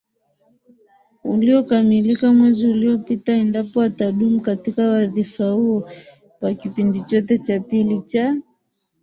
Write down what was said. uliokamilika mwezi uliopita Endapo atadumu katika wadhifa huo kwa kipindi chote cha pili cha